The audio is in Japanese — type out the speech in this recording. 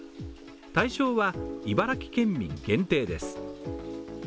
対象は茨城県民限定です。